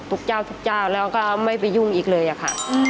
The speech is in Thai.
ทุกเจ้าแล้วก็ไม่ไปยุ่งอีกเลยค่ะ